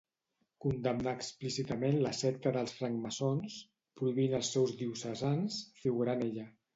Condemnà explícitament la secta dels francmaçons, prohibint als seus diocesans figurar en ella.